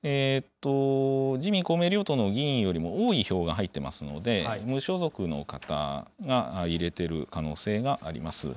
自民、公明両党の議員よりも多い票が入ってますので、無所属の方が入れている可能性があります。